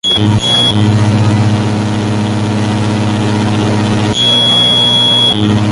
Es de ascendencia alemana, italiana y española.